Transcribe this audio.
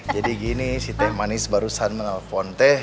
jadi gini si teh manis barusan menelpon teh